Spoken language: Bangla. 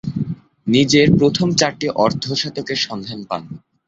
নিজের প্রথম চারটি অর্ধ-শতকের সন্ধান পান।